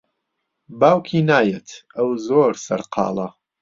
باوکی نایەت، ئەو زۆر سەرقاڵە.